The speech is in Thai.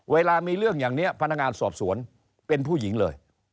เวลามีเรื่องอย่างนี้พนักงานสอบสวนเป็นผู้หญิงเลย